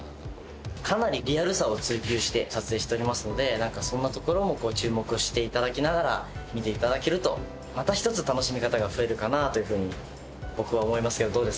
かなりリアルさを追求して撮影しておりますので何かそんなところも注目していただきながら見ていただけるとまた一つ楽しみ方が増えるかなというふうに僕は思いますけどどうですか？